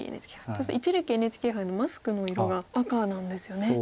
そして一力ＮＨＫ杯のマスクの色が赤なんですよね。